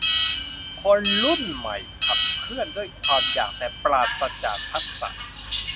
คนรุ่นใหม่ขับเคลื่อนด้วยความอยาก แต่ปราศจากทักษะ